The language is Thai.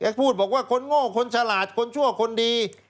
พูดบอกว่าคนโง่คนฉลาดคนชั่วคนดี